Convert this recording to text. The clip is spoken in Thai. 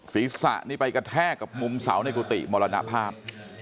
ศีรษะนี่ไปกระแทกกับมุมเสาในกุฏิมรณภาพ